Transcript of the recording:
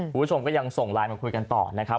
คุณผู้ชมก็ยังส่งไลน์มาคุยกันต่อนะครับ